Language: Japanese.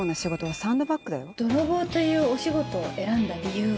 泥棒というお仕事を選んだ理由は？